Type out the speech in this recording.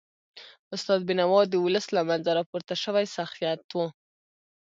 استاد بینوا د ولس له منځه راپورته سوی شخصیت و.